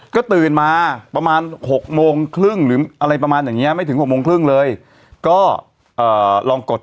ก็ตื่นมาประมาณ๖โมงครึ่งหรืออะไรประมาณอย่างเงี้ไม่ถึง๖โมงครึ่งเลยก็เอ่อลองกด